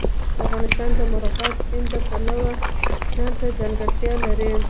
افغانستان د مورغاب سیند د پلوه ځانته ځانګړتیا لري.